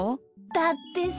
だってさ